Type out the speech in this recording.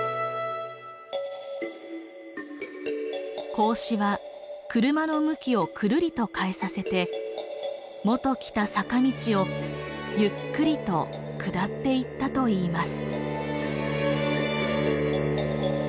孔子は車の向きをくるりと変えさせてもと来た坂道をゆっくりと下っていったといいます。